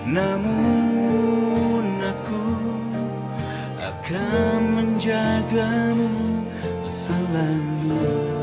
namun aku akan menjagamu selalu